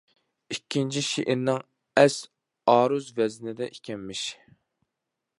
ئىككىنچى شېئىرنىڭ ئەس. ئارۇز ۋەزنىدە ئىكەنمىش.